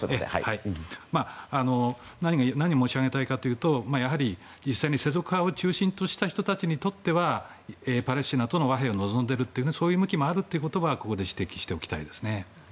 何を申し上げたいかというと実際に世俗派を中心とした人たちにとってはパレスチナとの和平を望んでいるという向きがあるということはここで指摘しておきたいですね。